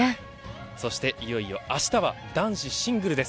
そしていよいよあしたは男子シングルです。